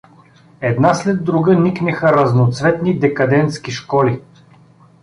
Една след друга никнеха разноцветни декадентски школи.